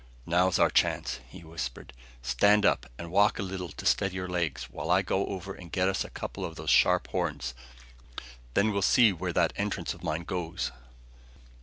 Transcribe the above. "Now's our chance," he whispered. "Stand up and walk a little to steady your legs, while I go over and get us a couple of those sharp horns. Then we'll see where that entrance of mine goes!"